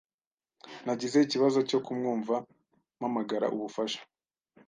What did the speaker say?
Nagize ikibazo cyo kumwumva mpamagara ubufasha.